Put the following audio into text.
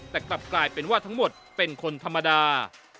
แต่กลับกลายเป็นว่าทั้งหมดเป็นคนธรรมดา